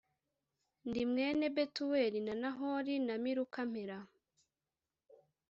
ndi mwene betuweli wa nahori na miluka mpera